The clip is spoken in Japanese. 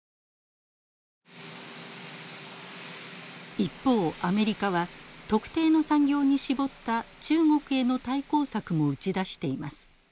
一方アメリカは特定の産業に絞った中国への対抗策も打ち出しています。